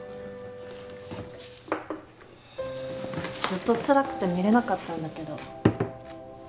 ずっとつらくて見れなかったんだけど。